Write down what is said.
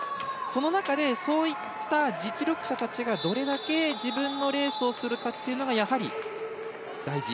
その中でそういった実力者たちがどれだけ自分のレースをするかがやはり大事。